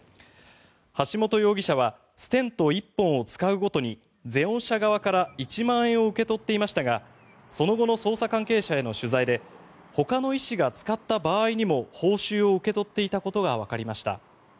橋本容疑者はステント１本を使うごとにゼオン社側から１万円を受け取っていましたがその後の捜査関係者への取材でほかの医師が使った場合にも報酬を受け取っていたことがわかりました。